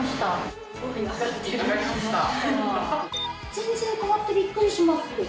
全然変わってビックリします